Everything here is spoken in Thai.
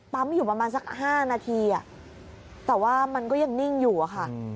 อยู่ประมาณสัก๕นาทีแต่ว่ามันก็ยังนิ่งอยู่อะค่ะ